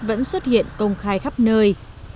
vẫn xuất hiện công khai khắp nơi